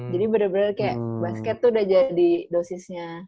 jadi bener bener kayak basket tuh udah jadi dosisnya